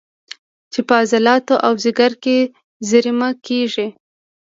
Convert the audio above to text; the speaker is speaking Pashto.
چې په عضلاتو او ځیګر کې زېرمه کېږي